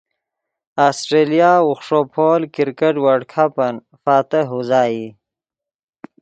آسٹریلیا اوخݰو پول کرکٹ ورلڈ کپن فاتح اوزائی